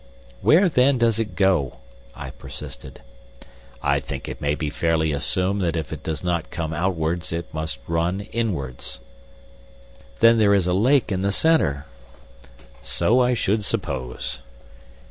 "Where, then, does it go?" I persisted. "I think it may be fairly assumed that if it does not come outwards it must run inwards." "Then there is a lake in the center." "So I should suppose."